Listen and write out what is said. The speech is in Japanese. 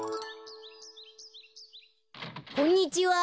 こんにちは。